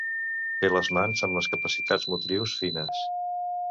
Té les mans amb les capacitats motrius fines.